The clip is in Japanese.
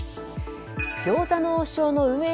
餃子の王将の運営